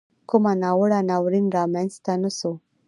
کومه ناوړه ناورین را مینځته نه سو.